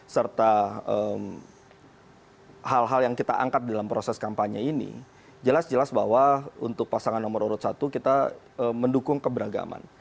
serta hal hal yang kita angkat dalam proses kampanye ini jelas jelas bahwa untuk pasangan nomor urut satu kita mendukung keberagaman